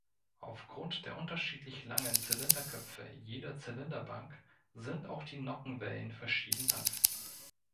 Aufgrund der unterschiedlich langen Zylinderköpfe jeder Zylinderbank sind auch die Nockenwellen verschieden lang.